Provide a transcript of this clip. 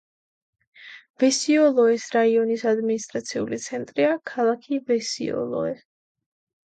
ვესიოლოეს რაიონის ადმინისტრაციული ცენტრია ქალაქი ვესიოლოე.